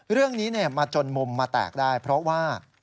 เรื่องนี้มาจนมุมมาแตกได้เพราะว่า